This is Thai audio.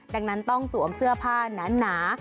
ดังนั้นต้องสวมเสื้อผ้าหนา